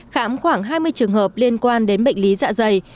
khám khoảng hai mươi trường hợp liên quan đến bệnh lý dạ dày